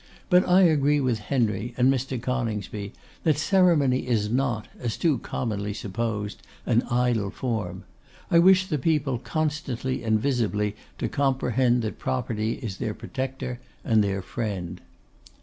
'But I agree with Henry and Mr. Coningsby, that Ceremony is not, as too commonly supposed, an idle form. I wish the people constantly and visibly to comprehend that Property is their protector and their friend.